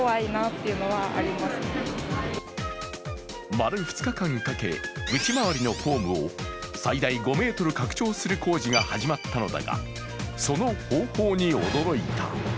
丸２日間かけ、内回りのホームを最大５ｍ拡張する工事が始まったのだが、その方法に驚いた。